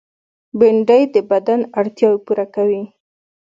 بېنډۍ د بدن اړتیاوې پوره کوي